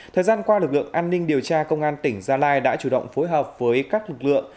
thời gian qua lực lượng an ninh điều tra công an tỉnh gia lai đã chủ động phối hợp với các lực lượng